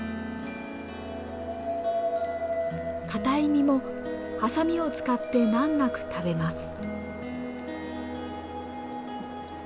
硬い実もハサミを使って難なく食べます。